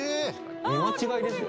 見間違いですよ